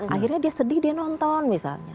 akhirnya dia sedih dia nonton misalnya